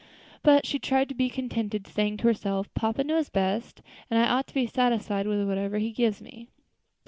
But she tried to be contented, saying to herself, "Papa knows best, and I ought to be satisfied with whatever he gives me."